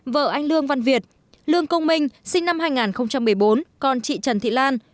vợ anh lương văn việt lương công minh sinh năm hai nghìn một mươi bốn con chị trần thị lan